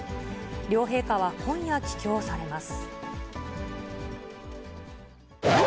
両陛下は、今夜帰京されます。